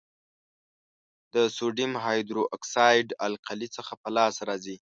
د سوډیم هایدرو اکسایډ القلي څخه په لاس راځي.